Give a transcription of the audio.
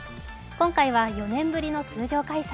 今回は４年ぶりの通常開催。